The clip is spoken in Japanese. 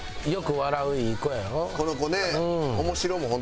この子ね。